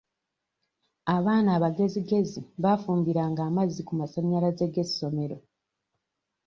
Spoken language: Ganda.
Abaana abagezigezi baafumbiranga amazzi ku masannyalaze g'essomero.